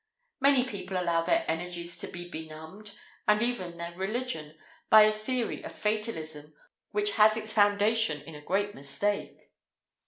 "Many people allow their energies to be benumbed, and even their religion, by a theory of fatalism which has its foundation in a great mistake."